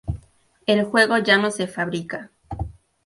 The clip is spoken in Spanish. El juego ya no se fabrica.